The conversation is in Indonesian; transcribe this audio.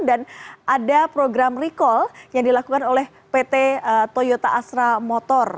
dan ada program recall yang dilakukan oleh pt toyota astra motor